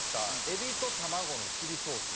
エビと玉子のチリソース。